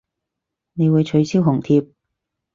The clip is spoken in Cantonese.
你會取消紅帖